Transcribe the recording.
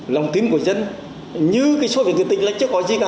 lòng tin của dân như cái soviet nghệ tĩnh là chứ có gì cả